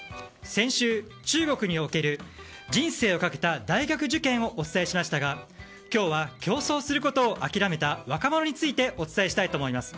先週、中国における人生をかけた大学受験をお伝えしましたが今日は、競争することを諦めた若者についてお伝えしたいと思います。